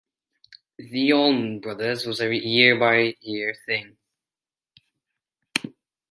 The Allman Brothers was a year-by-year thing.